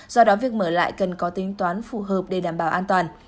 do đó việc mở lại cần có tính toán phù hợp để đảm bảo an toàn